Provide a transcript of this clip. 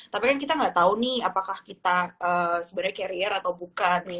tapi kan kita nggak tahu nih apakah kita sebenarnya carrier atau bukan nih